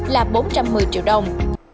là bốn trăm một mươi triệu đồng